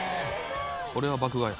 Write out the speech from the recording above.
これは爆買いや。